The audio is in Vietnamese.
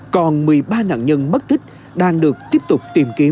còn một mươi ba nạn nhân mất tích đang được tiếp tục tìm kiếm